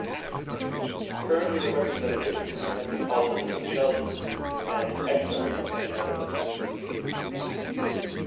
Currently the representative is the metropolitan of Belgium and exarch of the Netherlands.